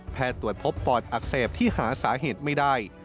ตรวจพบปอดอักเสบที่หาสาเหตุไม่ได้